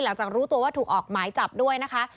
หลังจากรู้ตัวว่าถูกออกหมายจับด้วยนะคะ